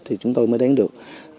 thì chúng tôi mới đến được